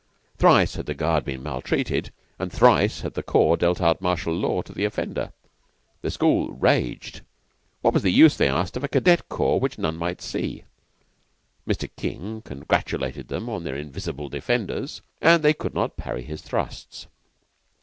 Thrice had the guard been maltreated and thrice had the corps dealt out martial law to the offender. The school raged. What was the use, they asked, of a cadet corps which none might see? Mr. King congratulated them on their invisible defenders, and they could not parry his thrusts.